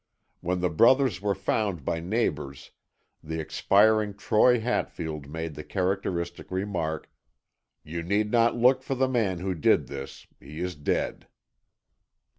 When the brothers were found by neighbors, the expiring Troy Hatfield made the characteristic remark: "You need not look for the man who did this, he is dead."